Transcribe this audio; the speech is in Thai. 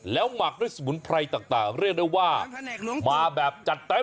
หมักด้วยสมุนไพรต่างเรียกได้ว่ามาแบบจัดเต็ม